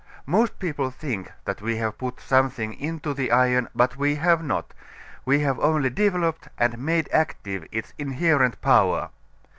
Most people think that we have put something into the iron, but we have not; we have only developed and made active its inherent power.